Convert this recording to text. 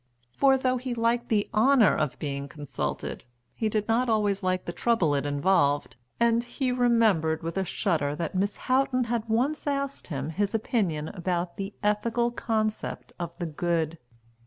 For though he liked the honour of being consulted, he did not always like the trouble it involved, and he remembered with a shudder that Miss Houghton had once asked him his opinion about the 'Ethical Concept of the Good.'